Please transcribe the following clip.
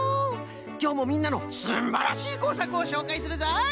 きょうもみんなのすんばらしいこうさくをしょうかいするぞい！